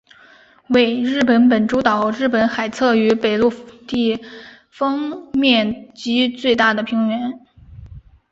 为日本本州岛日本海侧与北陆地方面积最大的平原。